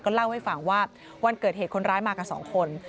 เล่าให้ฟังว่าวันเกิดเหตุคนร้ายมากับสองคน